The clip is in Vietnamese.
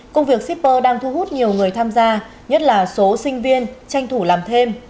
công việc shipper đang thu hút nhiều người tham gia nhất là số sinh viên tranh thủ làm thêm